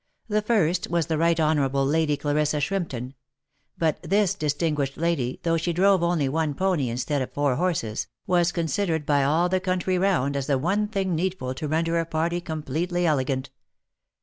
The first was the Right Honourable Lady Clarissa Shrimpton ; but this distinguished lady, though she drove only one pony instead of four horses, was considered by all the country round as the one thing needful to render a party completely elegant.